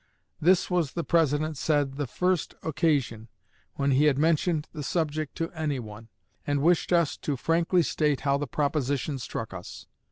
This was, the President said, the first occasion when he had mentioned the subject to anyone, and wished us to frankly state how the proposition struck us.